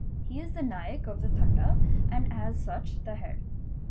He is the Naik of the ' Tanda, and as such the head.